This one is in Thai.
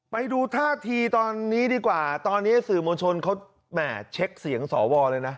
ไปดูท่าทีตอนนี้ดีกว่าตอนนี้สื่อมวลชนเขาแหม่เช็คเสียงสวเลยนะ